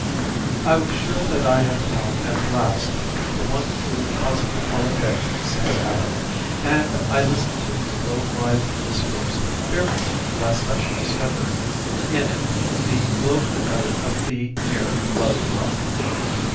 I was sure that I had found at last the one true cosmopolite since Adam, and I listened to his worldwide discourse fearful lest I should discover in it the local note of the mere globe trotter.